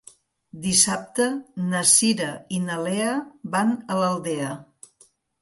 Dissabte na Cira i na Lea van a l'Aldea.